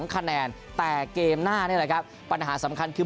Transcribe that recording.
คะแนนแต่เกมหน้านี่แหละครับปัญหาสำคัญคือ